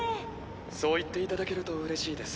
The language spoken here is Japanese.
そう言っていただけるとうれしいです。